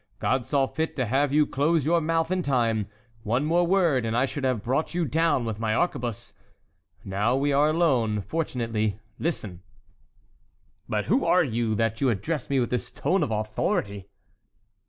God saw fit to have you close your mouth in time. One word more, and I should have brought you down with my arquebuse. Now we are alone, fortunately; listen!" "But who are you that you address me with this tone of authority?"